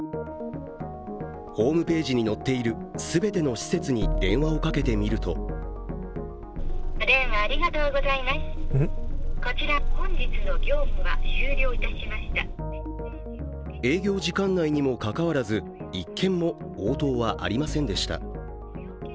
ホームページに載っている全ての施設に電話をかけてみると営業時間内にもかかわらず、１件も応答はありませんでした。